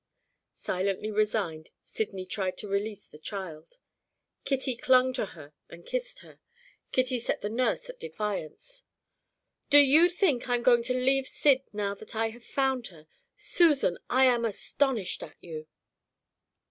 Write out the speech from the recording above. Silently resigned, Sydney tried to release the child. Kitty clung to her and kissed her; Kitty set the nurse at defiance. "Do you think I am going to leave Syd now I have found her? Susan, I am astonished at you!"